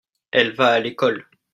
elle va à lécole.